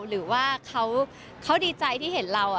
หรือว่าเขาดีใจที่เห็นเรา